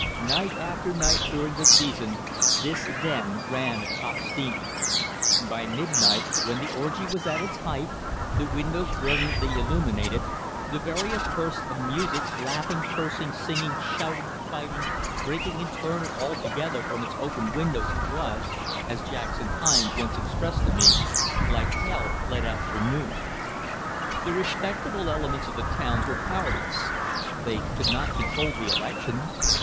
Night after night during the season, this den ran at top steam. By midnight, when the orgy was at its height, the windows brilliantly illuminated, the various bursts of music, laughing, cursing, singing, shouting, fighting, breaking in turn or all together from its open windows, it was, as Jackson Hines once expressed it to me, like hell let out for noon. The respectable elements of the towns were powerless. They could not control the elections.